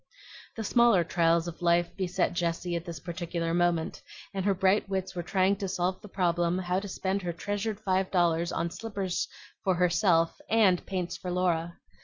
The smaller trials of life beset Jessie at this particular moment, and her bright wits were trying to solve the problem how to spend her treasured five dollars on slippers for herself and paints for Laura.